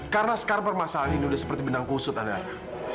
karena sekarang permasalahan ini udah seperti benang kusut andara